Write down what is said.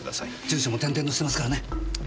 住所も転々としてますからね。